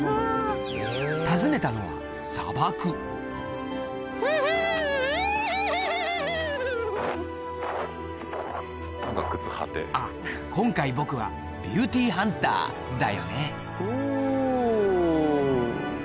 訪ねたのは砂漠あっ今回僕はビュティーハンターだよねおう。